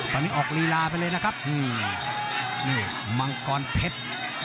ตอนนี้ออกลีลาไปเลยนะครับนี่มังกรเพชร